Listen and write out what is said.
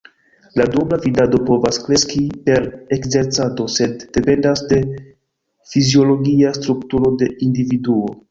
La duobla vidado povas kreski per ekzercado, sed dependas de fiziologia strukturo de individuo.